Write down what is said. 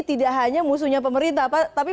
tidak hanya musuhnya pemerintah pak tapi